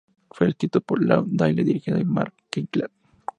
Fue escrito por Larry Doyle y dirigido por Mark Kirkland.